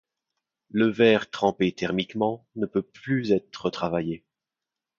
Le verre trempé thermiquement ne peut plus être retravaillé.